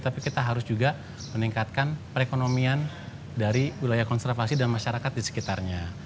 tapi kita harus juga meningkatkan perekonomian dari wilayah konservasi dan masyarakat di sekitarnya